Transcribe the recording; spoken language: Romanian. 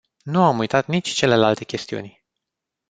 Nu am uitat nici celelalte chestiuni.